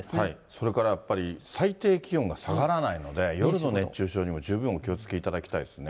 それからやっぱり、最低気温が下がらないので、夜の熱中症にも十分お気をつけいただきたいですね。